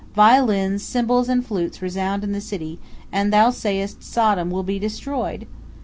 Violins, cymbals, and flutes resound in the city, and thou sayest Sodom will be destroyed!"